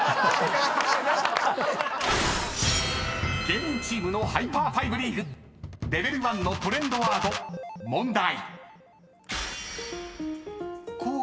［芸人チームのハイパーファイブリーグ］［ＬＥＶＥＬ．１のトレンドワード問題］